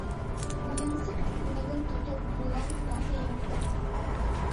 Уйынсыҡ күнәген тотоп, Булат та эйәрҙе.